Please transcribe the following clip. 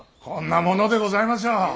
こんなものでございましょう。